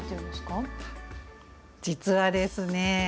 実はですね